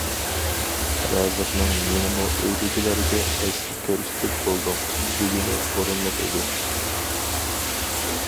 رازىقنىڭ «مېنىمۇ ئۆيدىكىلەرگە ئەسكى كۆرسىتىپ بولدۇڭ» دېگىنى ئورۇنلۇق ئىدى.